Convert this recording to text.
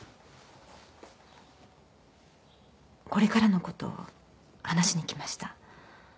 これからのことを話しに来ました。